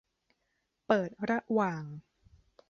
เปิดระหว่าง